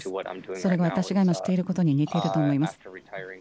それは私が今していることに似てると思います。